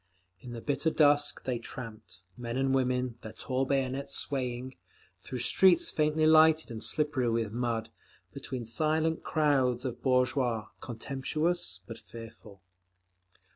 In the bitter dusk they tramped, men and women, their tall bayonets swaying; through streets faintly lighted and slippery with mud, between silent crowds of bourgeois, contemptuous but fearful….